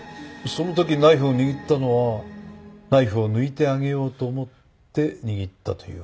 その時ナイフを握ったのはナイフを抜いてあげようと思って握ったというわけですか？